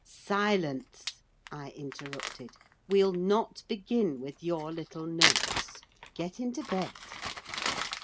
"Silence!" I interrupted. "We'll not begin with your little notes. Get into bed."